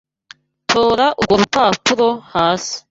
Tora urwo rupapuro hasi.